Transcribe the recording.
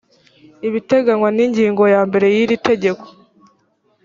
ibiteganywa n ingingo ya mbere y iri tegeko